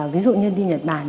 ví dụ như đi nhật bản